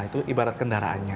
itu ibarat kendaraannya